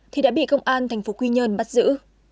thì đã bị công an thành phố quy nhơn bắt giữ